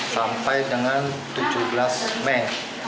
sampai dengan tujuh belas mei